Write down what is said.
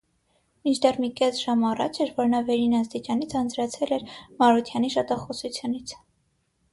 Մինչդեռ մի կես ժամ առաջ էր, որ նա վերին աստիճանի ձանձրացել էր Մարությանի շատախոսությունից: